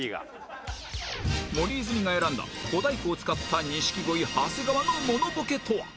森泉が選んだ小太鼓を使った錦鯉長谷川のモノボケとは？